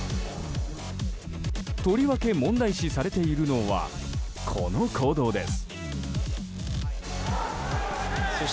とりわけ、問題視されているのはこの行動です。